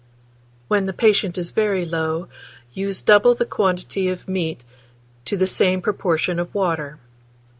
When the patient is very low, use double the quantity of meat to the same proportion of water.